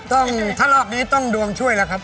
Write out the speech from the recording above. ต้องถ้ารอบนี้ต้องดวงช่วยแล้วครับ